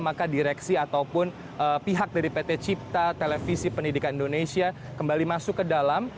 maka direksi ataupun pihak dari pt cipta televisi pendidikan indonesia kembali masuk ke dalam